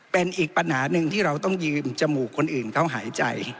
เป็นอีกปัญหาหนึ่งที่เราต้องยืมจมูกคนอื่นเขาหายใจ